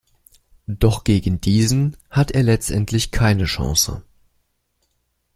Doch gegen diesen hat er letztendlich keine Chance.